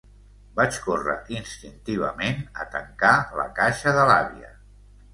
Vaig córrer instintivament a tancar la caixa de l'àvia.